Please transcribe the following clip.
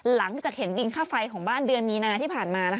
หลังจากเห็นบินค่าไฟของบ้านเดือนมีนาที่ผ่านมา